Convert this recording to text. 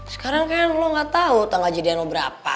sekarang kan lo gak tau tanggal jadian lo berapa